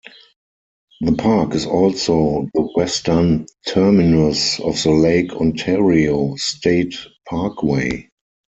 The park is also the western terminus of the Lake Ontario State Parkway.